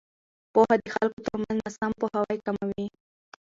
پوهه د خلکو ترمنځ ناسم پوهاوی کموي.